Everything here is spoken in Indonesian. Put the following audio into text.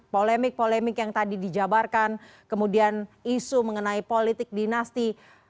polemik polemik yang tadi dijabarkan kemudian isu mengenai politik dinasti